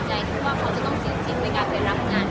ช่องความหล่อของพี่ต้องการอันนี้นะครับ